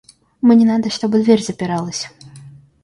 Мне надо, чтобы дверь запиралась.